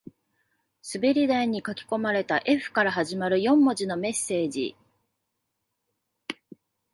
滑り台に書き込まれた Ｆ から始まる四文字のメッセージ